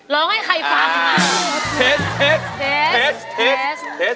ร้องให้ใครฟัง